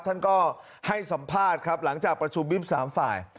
ท่านก็ให้สัมภาษณ์ครับหลังจากประชุมวิบ๓ฝ่าย